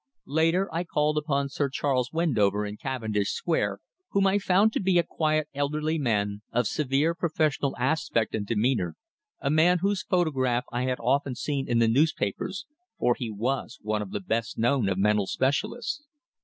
Later I called upon Sir Charles Wendover in Cavendish Square, whom I found to be a quiet elderly man of severe professional aspect and demeanour, a man whose photograph I had often seen in the newspapers, for he was one of the best known of mental specialists.